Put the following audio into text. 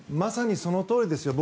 まさにそのとおりです。